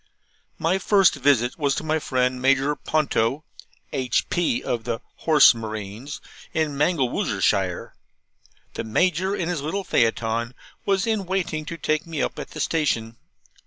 My first visit was to my friend Major Ponto (H.P. of the Horse Marines), in Mangelwurzelshire. The Major, in his little phaeton, was in waiting to take me up at the station.